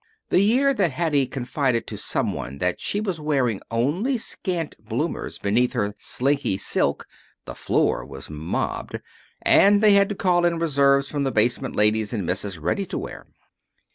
The year that Hattie confided to some one that she was wearing only scant bloomers beneath her slinky silk the floor was mobbed, and they had to call in reserves from the basement ladies and misses ready to wear.